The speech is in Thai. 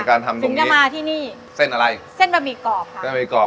ในการทำตรงนี้ถึงจะมาที่นี่เส้นอะไรเส้นบะหมี่กรอบค่ะเส้นบะหมี่กรอบ